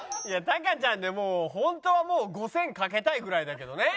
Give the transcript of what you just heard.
タカちゃんでもうホントは５０００賭けたいぐらいだけどね。